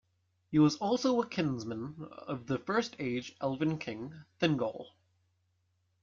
He was also a kinsman of the First Age Elven King Thingol.